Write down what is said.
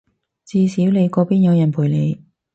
至少你嗰邊有人陪你